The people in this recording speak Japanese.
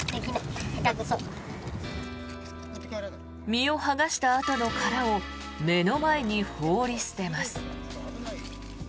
身を剥がしたあとの殻を目の前に放り捨てます。